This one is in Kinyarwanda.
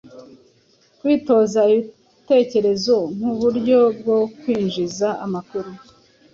kwitoza ibitekerezo nkuburyo bwo kwinjiza amakuru